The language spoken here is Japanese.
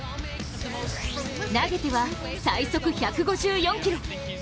投げては最速１５４キロ。